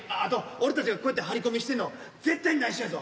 俺たちがこうやって張り込みしてんの絶対にないしょやぞ。